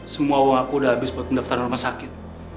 semua uang aku udah habis buat pendaftaran rumah sakit